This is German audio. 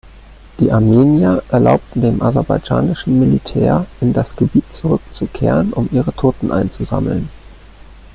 Die Armenier erlaubten dem aserbaidschanischen Militär in das Gebiet zurückzukehren, um ihre Toten einzusammeln.